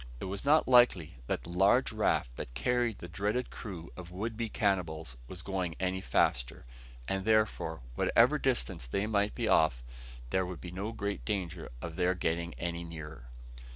It was not likely that the large raft that carried the dreaded crew of would be cannibals was going any faster; and therefore, whatever distance they might be off, there would be no great danger of their getting any nearer.